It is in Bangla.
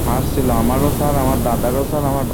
এগুলো ভাঙা শুরু কর।